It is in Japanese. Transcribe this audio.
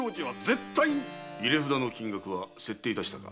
入れ札の金額は設定いたしたか？